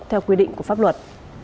theo quy định của pháp luật